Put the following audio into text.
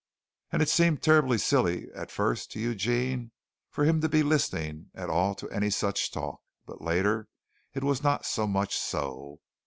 And it seemed terribly silly at first to Eugene for him to be listening at all to any such talk, but later it was not so much so.